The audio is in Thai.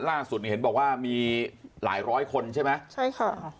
ล่าสุดเนี่ยเห็นบอกว่ามีหลายร้อยคนใช่ไหมใช่ค่ะ